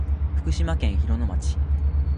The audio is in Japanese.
福島県広野町